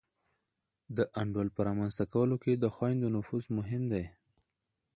د انډول په رامنځته کولو کي د خویندو نفوذ مهم دی.